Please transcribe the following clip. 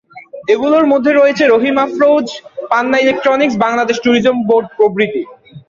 এগুলোর মধ্যে রয়েছে Rahim Afroz, Panna electronics, Bangladesh tourism board প্রভৃতি।